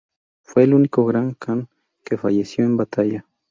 Fue el único Gran Kan que falleció en batalla.